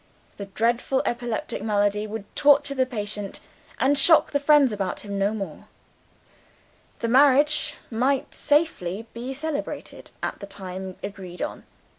The dreadful epileptic malady would torture the patient and shock the friends about him no more: the marriage might safely be celebrated at the time agreed on.